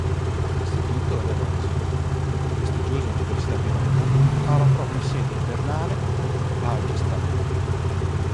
L'Istituto Le Rosey, prestigiosa università privata, ha la propria sede invernale a Gstaad.